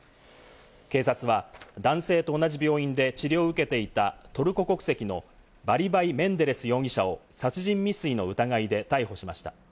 警察は男性と同じ病院で治療を受けていたトルコ国籍のバリバイ・メンデレス容疑者を殺人未遂の疑いで逮捕しました。